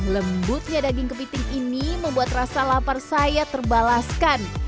lembutnya daging kepiting ini membuat rasa lapar saya terbalaskan